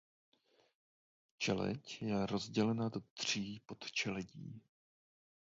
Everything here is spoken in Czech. Čeleď je rozdělena do tří podčeledí.